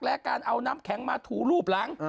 และการเอาน้ำแข็งมาถูรูปหลัง